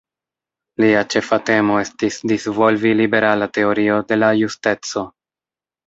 Lia ĉefa temo estis disvolvi liberala teorio de la justeco.